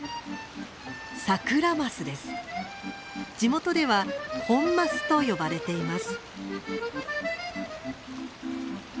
地元ではホンマスと呼ばれています。